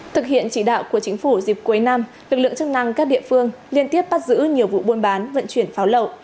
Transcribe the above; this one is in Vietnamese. thực hiện chỉ đạo của chính phủ dịp cuối năm lực lượng chức năng các địa phương liên tiếp bắt giữ nhiều vụ buôn bán vận chuyển pháo lậu